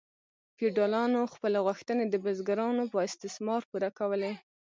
فیوډالانو خپلې غوښتنې د بزګرانو په استثمار پوره کولې.